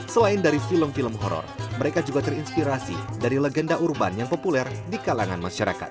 selain dari film film horror mereka juga terinspirasi dari legenda urban yang populer di kalangan masyarakat